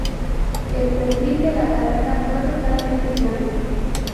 El perfil de la carrera fue totalmente llano.